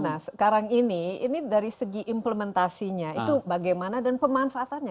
nah sekarang ini ini dari segi implementasinya itu bagaimana dan pemanfaatannya